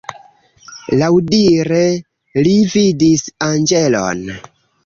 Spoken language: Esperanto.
Laŭdire li vidis anĝelon.